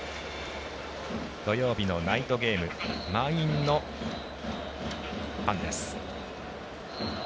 土曜日のナイトゲーム満員のファンです。